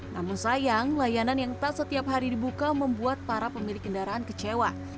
namun sayang layanan yang tak setiap hari dibuka membuat para pemilik kendaraan kecewa